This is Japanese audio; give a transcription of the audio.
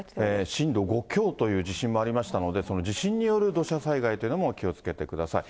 震度５強という地震もありましたので、その地震による土砂災害というのも気をつけてください。